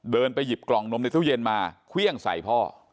ไปหยิบกล่องนมในตู้เย็นมาเครื่องใส่พ่อ